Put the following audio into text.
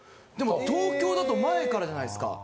でも東京だと前からじゃないですか。